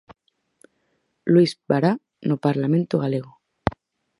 Luís Bará no parlamento galego.